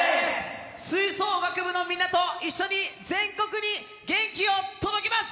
吹奏楽部のみんなと一緒に全国に元気を届けます！